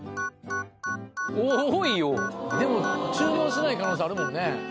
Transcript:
多いよでも注文しない可能性あるもんね